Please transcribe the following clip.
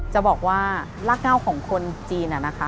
จะบอกว่าราก่าวของคนจีน